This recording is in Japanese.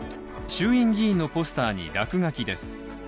衆院議員のポスターに落書きです。